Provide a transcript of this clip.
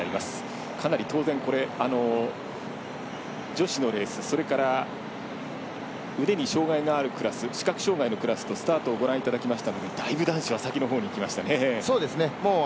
かなり、女子のレースそれから腕に障がいのあるクラス視覚障がいのクラスとスタートをご覧いただきましたけどだいぶ、男子は先のほうに行きましたね。